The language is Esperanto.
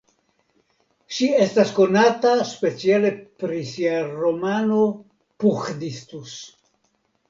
Ŝi estas konata speciale pri sia romano "Puhdistus".